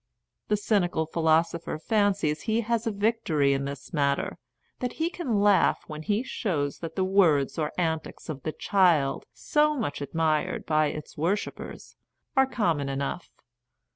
The cynical philosopher fancies he has a victory in this matter — that he can laugh when he shows that the words or an tics of the child, so much admired by its wor shippers, are common enough.